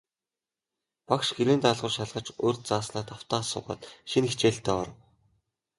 Багш гэрийн даалгавар шалгаж, урьд зааснаа давтан асуугаад, шинэ хичээлдээ оров.